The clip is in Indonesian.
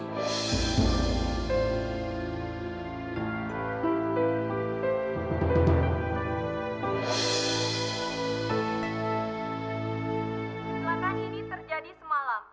selangkan ini terjadi semalam